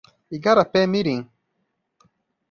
Igarapé-miri